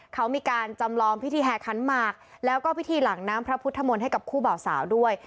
เขามีการจำลองพิธีแห่ขันหมากแล้วก็พิธีหลังน้ำพระพุทธมนต์ให้กับคู่บ่าวสาวด้วย